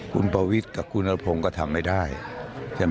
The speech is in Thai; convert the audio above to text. คุณประวิทย์กับคุณนรพงศ์ก็ทำไม่ได้ใช่ไหม